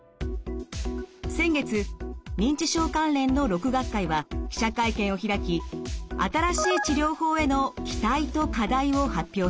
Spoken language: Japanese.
先月認知症関連の６学会は記者会見を開き新しい治療法への期待と課題を発表しました。